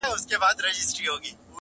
په پای کي هر څه بې ځوابه پاتې کيږي,